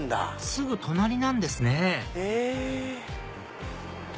すぐ隣なんですねへぇ。